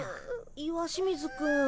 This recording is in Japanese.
石清水くん。